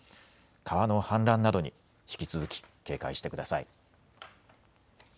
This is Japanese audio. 川の氾濫などに引き続き警戒してください。